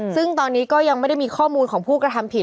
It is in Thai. ซึ่งตอนนี้ก็ยังไม่ได้มีข้อมูลของผู้กระทำผิด